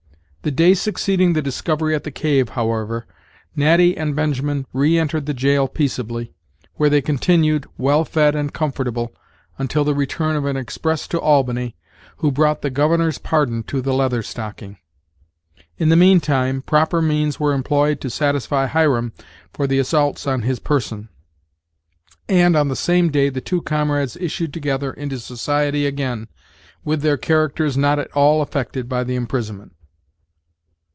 The day succeeding the discovery at the cave, however, Natty and Benjamin re entered the jail peaceably, where they continued, well fed and comfortable, until the return of an express to Albany, who brought the governor's pardon to the Leather Stocking. In the mean time, proper means were employed to satisfy Hiram for the assaults on his person; and on the same day the two comrades issued together into society again, with their characters not at all affected by the imprisonment.